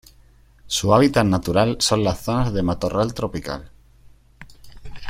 Su hábitat natural son las zonas de matorral tropical.